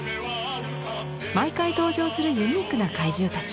毎回登場するユニークな怪獣たち。